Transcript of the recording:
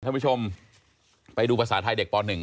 ท่านผู้ชมไปดูภาษาไทยเด็กป๑